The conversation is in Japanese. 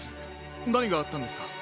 なにがあったんですか？